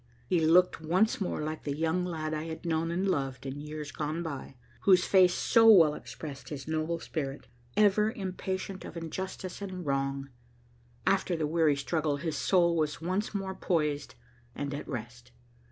He looked once more like the young lad I had known and loved in years gone by, whose face so well expressed his noble spirit, ever impatient of injustice and wrong. After the weary struggle, his soul was once more poised and at rest.